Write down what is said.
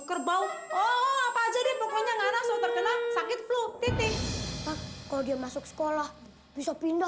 kerbau oh apa aja deh pokoknya ngana sotor kena sakit flu titik kok dia masuk sekolah bisa pindah